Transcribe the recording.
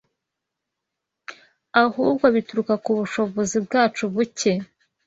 ahubwo bituruka ku bushobozi bwacu buke